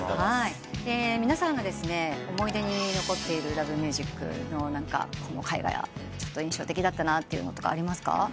皆さんが思い出に残っている『Ｌｏｖｅｍｕｓｉｃ』のこの回が印象的だったとかありますか？